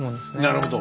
なるほど。